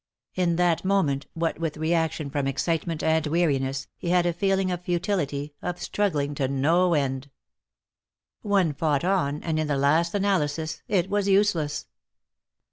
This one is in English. In that moment, what with reaction from excitement and weariness, he had a feeling of futility, of struggling to no end. One fought on, and in the last analysis it was useless.